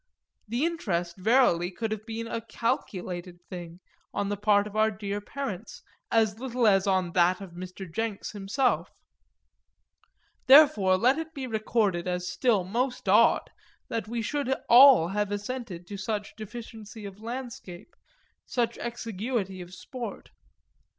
The interest verily could have been a calculated thing on the part of our dear parents as little as on that of Mr. Jenks himself. Therefore let it be recorded as still most odd that we should all have assented to such deficiency of landscape, such exiguity of sport.